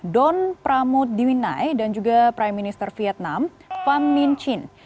don pramud diwinai dan juga prime minister vietnam pham minh chin